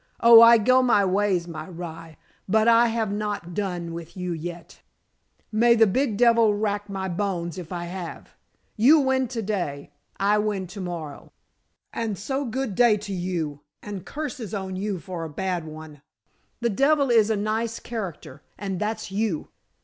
"Oh, I go my ways, my rye, but I have not done with you yet, may the big devil rack my bones if I have. You win to day I win to morrow, and so good day to you, and curses on you for a bad one. The devil is a nice character and that's you!"